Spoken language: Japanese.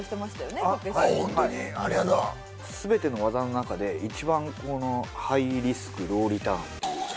全ての技の中で一番ハイリスク・ローリターンっていう。